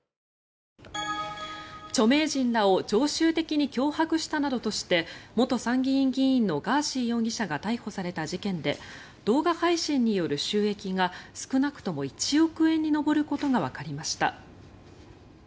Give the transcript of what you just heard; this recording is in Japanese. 著名人らを常習的に脅迫したなどとして元参議院議員のガーシー容疑者が逮捕された事件で動画配信による収益が少なくとも１億円に上ることがわかりました。